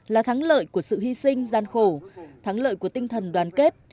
là thắng lợi của sự hy sinh gian khổ thắng lợi của tinh thần đoàn kết